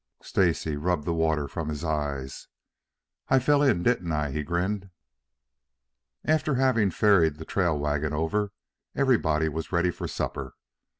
Stacy rubbed the water from his eyes. "I I fell in, didn't I?" he grinned. After having ferried the trail wagon over, everybody was ready for supper.